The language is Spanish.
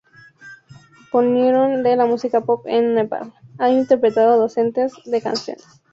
Pionero de la música pop en Nepal, ha interpretado docenas de canciones.